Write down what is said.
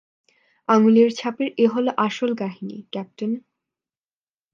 আঙুলের ছাপের এ হলো আসল কাহিনী, ক্যাপ্টেন।